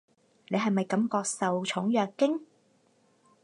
你係咪感覺受寵若驚？